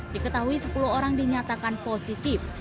diketahui sepuluh orang dinyatakan positif